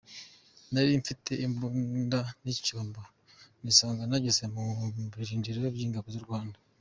“Nari mfite imbunda n’icyombo nisanga nageze mu birindiro by’ingabo z’u Rwanda.